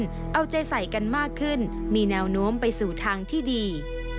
เอาใจใส่กันมากขึ้นมีแนวโน้มไปสู่ทางที่ดี